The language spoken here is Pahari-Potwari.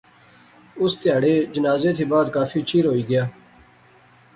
اس تہاڑے جنازے تھی بعد کافی چیر ہوئی گیا